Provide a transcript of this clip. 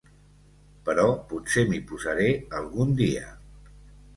Però potser m'hi posaré algun dia.